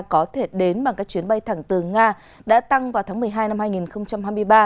có thể đến bằng các chuyến bay thẳng từ nga đã tăng vào tháng một mươi hai năm hai nghìn hai mươi ba